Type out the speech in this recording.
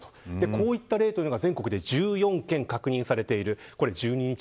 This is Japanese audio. こういう例が全国で１４件確認されている。